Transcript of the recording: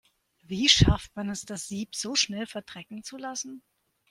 Wie schafft man es, das Sieb so schnell verdrecken zu lassen?